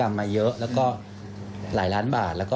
ต่อเรญญายกเกลอ